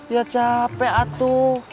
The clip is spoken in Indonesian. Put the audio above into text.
ya capek atu